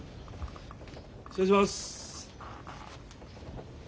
失礼します。